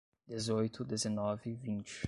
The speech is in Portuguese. Dezoito, dezenove, vinte